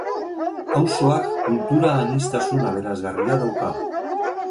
Auzoak, kultura aniztasun aberasgarria dauka.